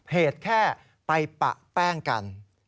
เหตุแค่ไปปะแป้งกัน